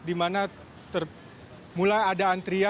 dimana mulai ada antrian